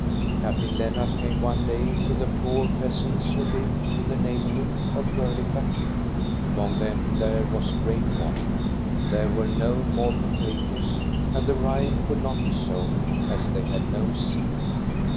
Captain Lennart came one day to the poor peas ants who lived in the neighborhood of Gurlitta Cliff. Among them there was great want; there were no more potatoes, and the rye could not be sown, as they had no seed.